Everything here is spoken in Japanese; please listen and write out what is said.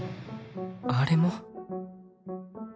あれも？